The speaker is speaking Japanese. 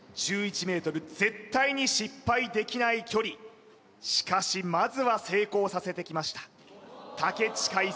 絶対に失敗できない距離しかしまずは成功させてきました武知海